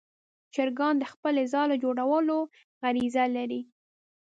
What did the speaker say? چرګان د خپل ځاله جوړولو غریزه لري.